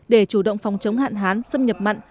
để chủ động phòng chống hạn hán xâm nhập mặn